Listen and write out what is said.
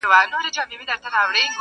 عالمه یو تر بل جارېږی!.